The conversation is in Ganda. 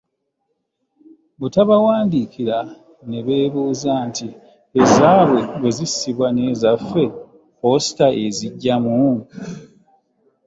Butabawandiikira ne beebuuza nti ezaabwe bwe zisibwa n'ezaffe, Post eziggyamu?